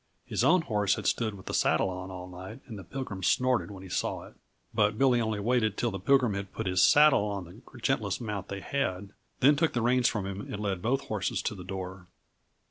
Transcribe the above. His own horse had stood with the saddle on all night, and the Pilgrim snorted when he saw it. But Billy only waited till the Pilgrim had put his saddle on the gentlest mount they had, then took the reins from him and led both horses to the door.